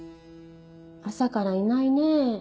朝からいないねぇ。